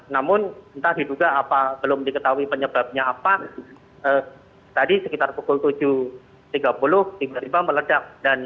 namun entah diduga apa belum diketahui penyebabnya apa tadi sekitar pukul tujuh tiga puluh tiba tiba meledak